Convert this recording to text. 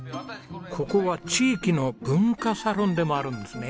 ここは地域の文化サロンでもあるんですね。